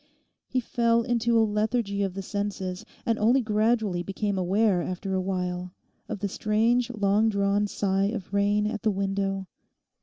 He fell into a lethargy of the senses, and only gradually became aware after a while of the strange long drawn sigh of rain at the window.